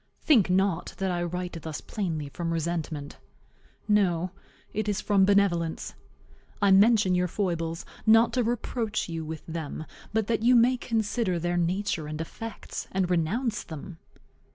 Think not that I write thus plainly from resentment. No, it is from benevolence. I mention your foibles, not to reproach you with them, but that you may consider their nature and effects, and renounce them.